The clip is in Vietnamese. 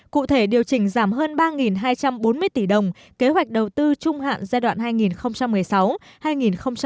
cụ thể điều chỉnh giảm hơn ba hai trăm bốn mươi tỷ đồng kế hoạch đầu tư trung hạn giai đoạn hai nghìn một mươi sáu hai nghìn hai mươi